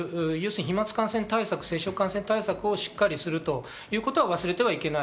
飛沫感染対策、接触感染対策をしっかりするということは忘れてはいけない。